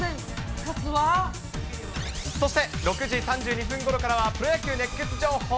そして、６時３２分ごろからは、プロ野球熱ケツ情報。